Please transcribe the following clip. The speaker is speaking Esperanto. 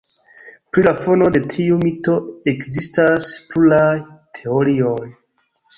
Pri la fono de tiu mito ekzistas pluraj teorioj.